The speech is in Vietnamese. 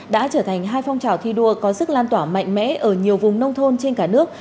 đã trở thành hai phong trào thi đua có sức lan tỏa mạnh mẽ ở nhiều vùng nông thôn trên cả nước